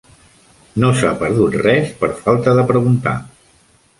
No s'ha perdut res per falta de preguntar.